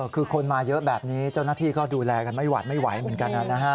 คือคนมาเยอะแบบนี้เจ้าหน้าที่ก็ดูแลกันไม่หวัดไม่ไหวเหมือนกันนะฮะ